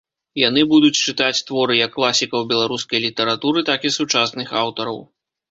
Яны будуць чытаць творы як класікаў беларускай літаратуры, так і сучасных аўтараў.